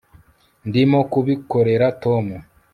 ndimo kubikorera tom